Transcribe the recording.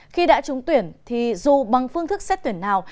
khi đã trúng tuyển thì dù bằng phương thức xét tuyển nào